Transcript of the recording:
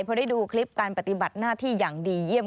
พอได้ดูคลิปการปฏิบัติหน้าที่อย่างดีเยี่ยม